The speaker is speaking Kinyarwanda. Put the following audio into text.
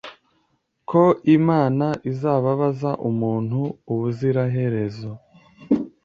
Ko Imana izababaza umuntu ubuziraherezo